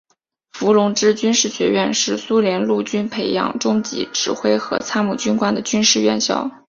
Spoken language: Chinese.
伏龙芝军事学院是苏联陆军培养中级指挥和参谋军官的军事院校。